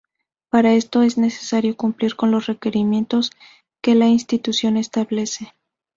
Para esto es necesario cumplir con los requerimientos que la institución establece.